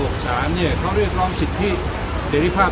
เขาเรียกร้องสิทธิเสรีภาพ